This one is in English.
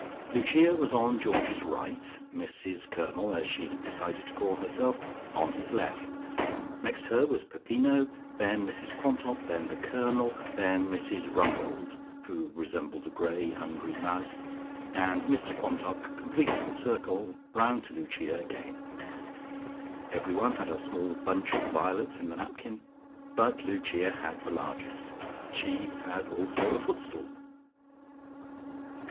Lucia was on Georgie's right, Mrs Colonel as she had decided to call herself, on his left. Next her was Peppino, then Mrs Quantock, then the Colonel, then Mrs Rumbold (who resembled a grey hungry mouse), and Mr Quantock completed the circle round to Lucia again. Everyone had a small bunch of violets in the napkin, but Lucia had the largest. She had also a footstool.